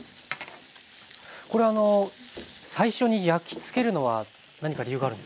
これ最初に焼きつけるのは何か理由があるんですか？